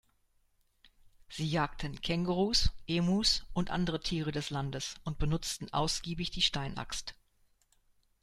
Sie jagten Kängurus, Emus und andere Tiere des Landes und benutzten ausgiebig die Stein-Axt.